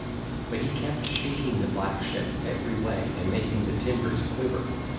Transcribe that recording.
But he kept shaking the black ship every way and make the timbers quiver.